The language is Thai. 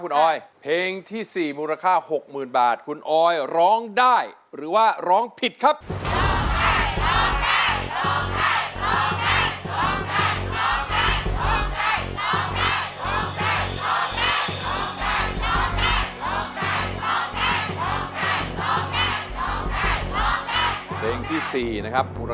โน๊กเตงร์โน๊กเตงร์โน๊กเตงร์